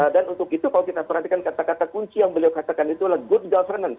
dan untuk itu kalau kita perhatikan kata kata kunci yang beliau katakan itu adalah good governance